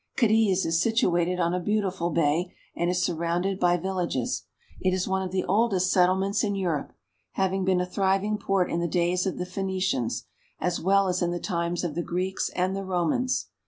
Cadiz is situated on a beautiful bay, and is surrounded by villages. It is one of the oldest settlements in Europe, having been a thriving port in the days of the Phoenicians as well as in the times of the Greeks and the Romans.